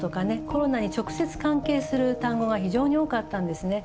コロナに直接関係する単語が非常に多かったんですね。